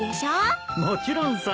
もちろんさ。